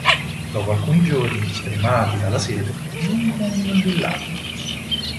Dopo alcuni giorni, stremati dalla sete, giungono in un villaggio.